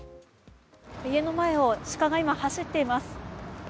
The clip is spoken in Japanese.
家の前を鹿が今、走っています。